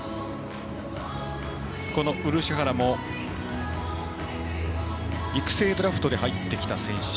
漆原も、育成ドラフトで入ってきた選手。